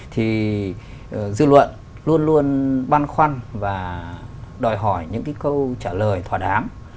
thì dư luận luôn luôn băn khoăn và đòi hỏi những câu trả lời thỏa đám